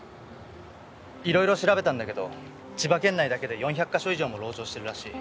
いろいろ調べたんだけど千葉県内だけで４００か所以上も籠城してるらしい。